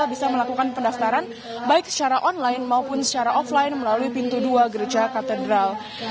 baik secara online maupun secara offline melalui pintu dua gereja katedral